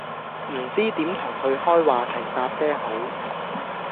唔知點同佢開話題搭嗲好